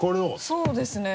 そうですね